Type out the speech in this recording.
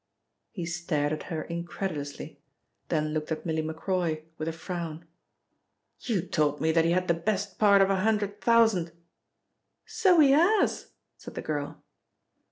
He stared at her incredulously, then looked at Milly Macroy with a frown. "You told me that he had the best part of a hundred thousand " "So he has," said the girl.